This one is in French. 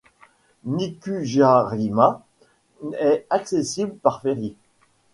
Mikurajima est accessible par ferry.